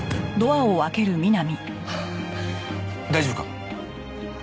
大丈夫か？